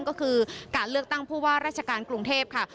ก็คือการเลือกตั้งผู้ว่าราชการกรุงเทพค่ะ